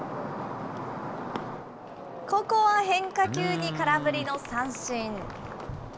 ここは変化球に空振りの三振。